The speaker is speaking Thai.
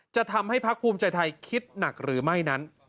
จะทำให้พักภูมิใจไทยคิดหนักหรือไม่นั้น